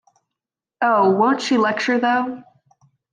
Oh, won't she lecture though!